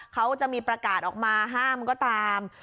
เขาจะมีประกาศออกมาห้ามก็ตาม